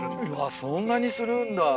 そんなにするんだ。